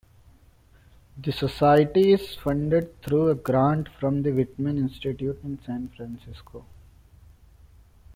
The Society is funded through a grant from the Whitman Institute in San Francisco.